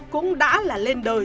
cũng đã là lên đời